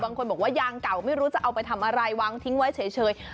บางคนบอกว่ายางเก่าไม่รู้จะเอาไปทำอะไรวางทิ้งไว้เฉย